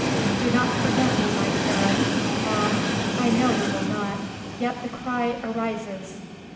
"Do not forget me, my Karen. Ah, I know you will not, yet the cry arises.